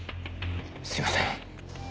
すいません。